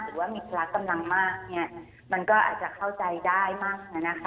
หรือว่ามีคลาสต์กำลังมากมันก็อาจจะเข้าใจได้มากมาก